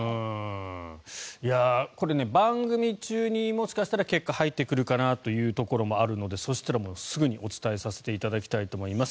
番組中にもしかしたら結果が入ってくるかなというところもあるのでそしたら、もうすぐにお伝えさせていただきたいと思います。